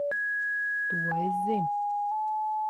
To es zinu.